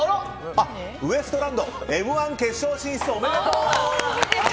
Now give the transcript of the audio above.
ウエストランド「Ｍ‐１」決勝進出おめでとう！